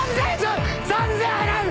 ３，０００円払う。